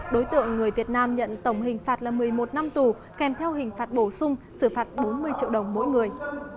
đối tượng người việt nam nhận tổng hình phạt là một mươi một năm tù kèm theo hình phạt bổ sung xử phạt bốn mươi triệu đồng mỗi người